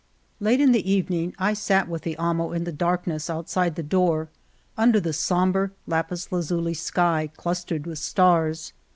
Late in the evening I sat with the amo in the darkness outside the door, under the sombre, lapis lazuli sky clustered with stars.